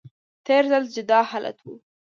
تیر ځل جدا حالت و